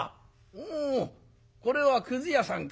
「おおこれはくず屋さんか。